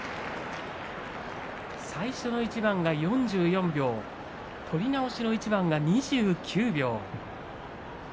最初の一番が４４秒取り直しの一番は２９秒。